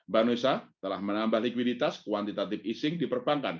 banusa telah menambah likuiditas kuantitatif ising di perbankan